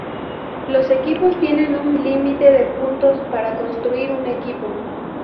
Los equipos tienen un límite de puntos para construir un equipo.